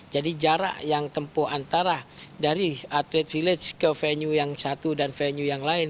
jadi jarak yang tempuh antara dari atlet village ke venue yang satu dan venue yang lain